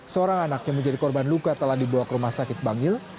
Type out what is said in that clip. seorang anak yang menjadi korban luka telah dibawa ke rumah sakit bangil